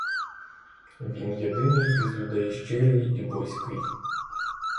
Він єдиний із людей щирий і близький.